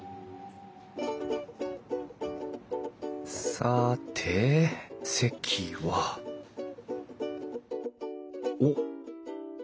さて席はおっ！